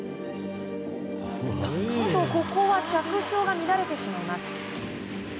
ここは着氷が乱れてしまいます。